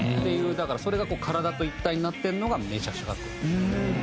だからそれが体と一体になってるのがめちゃくちゃ格好いい。